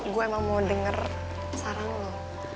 gue emang mau denger sarang loh